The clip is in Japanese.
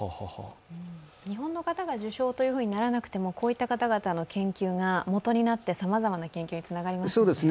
日本の方が受賞とならなくても、こういった方々の研究がもとになってさまざまな研究につながりますね。